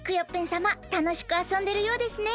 さまたのしくあそんでるようですね。